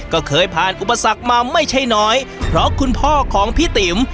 ก็เคยผ่านอุปสรรคมาไม่ใช่น้อยเพราะคุณพ่อของพี่ติ๋ม